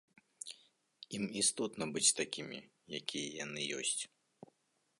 Ім істотна быць такімі, якія яны ёсць.